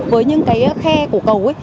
với những cái khe của cầu ấy